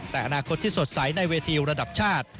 แต่อนาคตที่สดใสในเวทีระดับชาติ